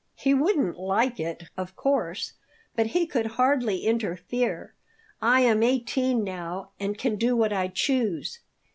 "He wouldn't like it, of course, but he could hardly interfere. I am eighteen now and can do what I choose.